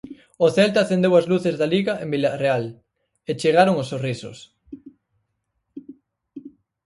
O Celta acendeu as luces da Liga en Vilarreal e chegaron os sorrisos.